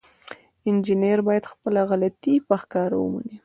انجینر باید خپله غلطي په ښکاره ومني.